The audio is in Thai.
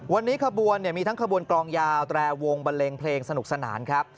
วันนี้ขบวนมีทั้งขบวนกลองยาวแตรวงบันเลงเพลงสนุกสนานครับ